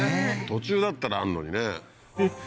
途中だったらあんのにね